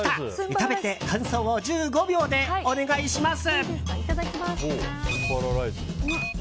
食べて感想を１５秒でお願いします。